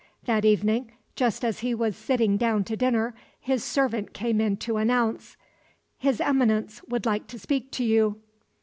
That evening, just as he was sitting down to dinner, his servant came in to announce: "His Eminence would like to speak to you."